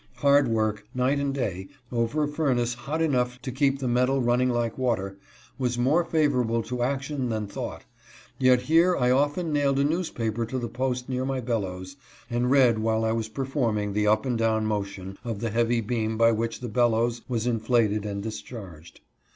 Hard work, night and day, over a furnace hot enough to keep the metal running like water, was more favorable to action than thought, yet here I often nailed a newspaper to the post near my bellows, and read while I was performing the up and down motion of the heavy beam by which the bellows was inflated and discharged.